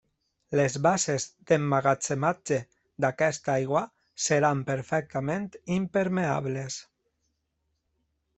Les basses d'emmagatzematge d'aquesta aigua seran perfectament impermeables.